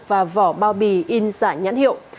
và vỏ bao bì in giải nhãn hiệu